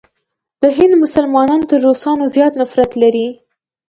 د هند مسلمانان تر روسانو زیات نفرت لري.